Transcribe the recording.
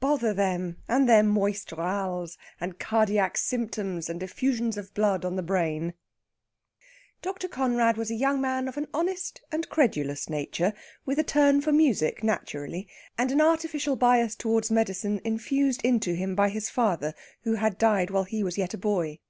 Bother them and their moist râles and cardiac symptoms, and effusions of blood on the brain! Dr. Conrad was a young man of an honest and credulous nature, with a turn for music naturally, and an artificial bias towards medicine infused into him by his father, who had died while he was yet a boy.